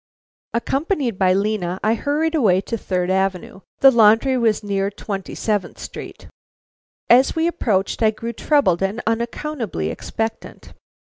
Accompanied by Lena, I hurried away to Third Avenue. The laundry was near Twenty seventh Street. As we approached I grew troubled and unaccountably expectant.